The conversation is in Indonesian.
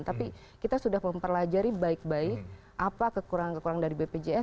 tapi kita sudah mempelajari baik baik apa kekurangan kekurangan dari bpjs